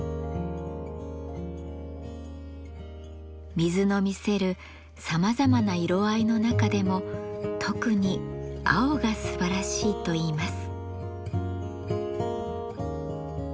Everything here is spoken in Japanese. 水の見せるさまざまな色合いの中でも特に青がすばらしいといいます。